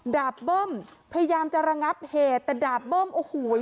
เบิ้มพยายามจะระงับเหตุแต่ดาบเบิ้มโอ้โห